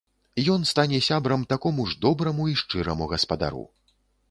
Ён стане сябрам такому ж добраму і шчыраму гаспадару.